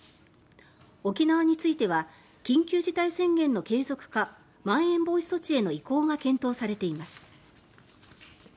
沖縄については緊急事態宣言の継続かまん延防止措置への移行が検討されています。